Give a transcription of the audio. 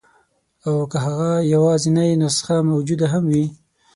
او که هغه یوازنۍ نسخه موجوده هم وي.